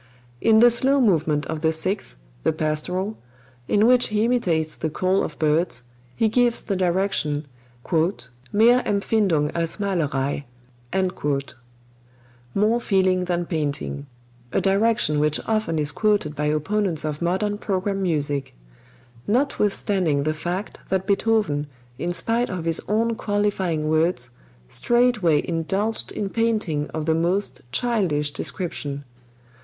In the slow movement of the Sixth (the "Pastoral"), in which he imitates the call of birds, he gives the direction: "mehr Empfindung als Malerei" (more feeling than painting), a direction which often is quoted by opponents of modern program music; notwithstanding the fact that Beethoven, in spite of his own qualifying words, straightway indulged in "painting" of the most childish description.